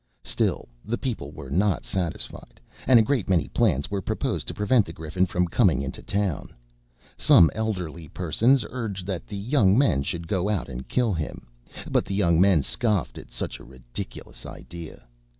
Still the people were not satisfied, and a great many plans were proposed to prevent the Griffin from coming into the town. Some elderly persons urged that the young men should go out and kill him; but the young men scoffed at such a ridiculous idea.